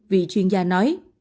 vị chuyên gia nói